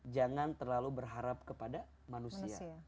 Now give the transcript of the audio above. jangan terlalu berharap kepada manusia